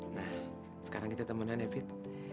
nah sekarang kita temenan ya fit